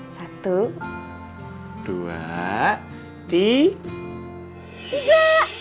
satu dua tiga